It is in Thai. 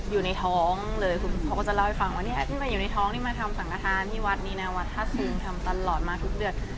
อยู่ในท้องเลยเขาก็จะเล่าให้ฟังว่ามาทำสังฆาธารที่วัดนี้นะวัดฮสุงทำตลอดมาทุกเดือน